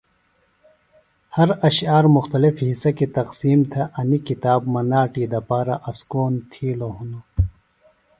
ہر اشعار مختلف حصہ کیۡ تقسیم تھےࣿ انیۡ کتاب مناٹی دپارہ اسکون تِھیلوۡ ہِنوࣿ۔